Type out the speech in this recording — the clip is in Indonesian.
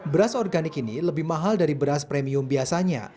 beras organik ini lebih mahal dari beras premium biasanya